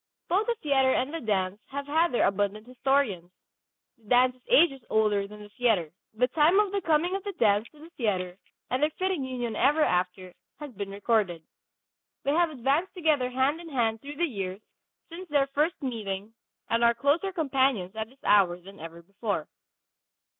Both the theatre and the dance have had their abundant historians. The dance is ages older than the theatre. The time of the coming of the dance to the theatre and their fitting union ever after has been recorded. They have advanced together hand in hand through the years since their first meeting and are closer companions at this hour than ever before.